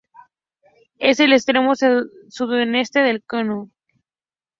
Es el extremo sudoeste de Kentucky.